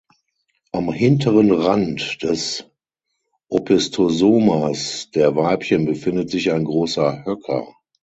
Am hinteren Rand des Opisthosomas der Weibchen befindet sich ein großer Höcker.